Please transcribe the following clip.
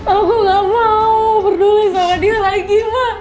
aku gak mau berdoa sama dia lagi ma